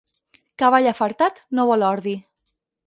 Cavall afartat no vol ordi.